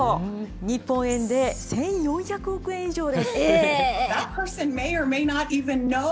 日本円で１４００億円以上です。